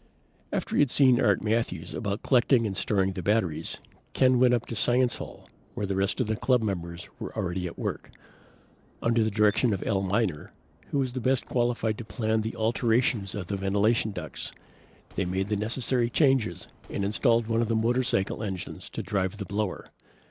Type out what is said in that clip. After he had seen Art Matthews about collecting and storing the batteries, Ken went up to Science Hall where the rest of the club members were already at work. Under the direction of Al Miner, who was the best qualified to plan the alterations of the ventilation ducts, they made the necessary changes and installed one of the motorcycle engines to drive the blower.